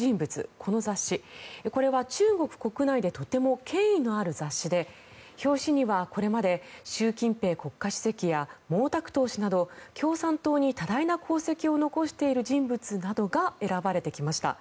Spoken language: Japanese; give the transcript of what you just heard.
この雑誌、これは中国国内でとても権威のある雑誌で表紙にはこれまで習近平国家主席や毛沢東氏など共産党に多大な功績を残している人物などが選ばれてきました。